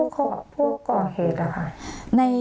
กลัวพูดกล่อเหตุค่ะ